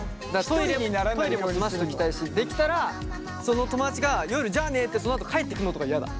トイレも済ませておきたいしできたらその友達が夜じゃあねってそのあと帰っていくのとか嫌だ。